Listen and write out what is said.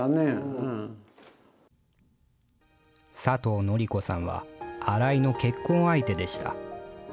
佐藤宣子さんは、新井の結婚相手でした。